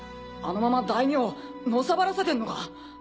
あのまま大名をのさばらせてんのか？